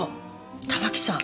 たまきさん